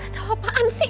tau apaan sih